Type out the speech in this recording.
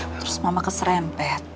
terus mama keserempet